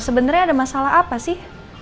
sebenarnya ada masalah apa sih